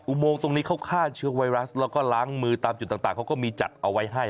โมงตรงนี้เขาฆ่าเชื้อไวรัสแล้วก็ล้างมือตามจุดต่างเขาก็มีจัดเอาไว้ให้